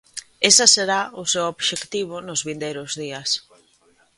Esa será o seu obxectivo nos vindeiros días.